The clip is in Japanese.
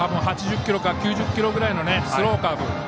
８０キロから９０キロぐらいのスローカーブ